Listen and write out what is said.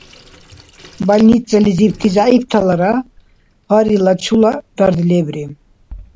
Больницализибти зягӀипталара гьарилла чула дард лебри.